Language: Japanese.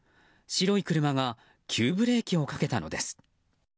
白い車が急ブレーキをかけたのです。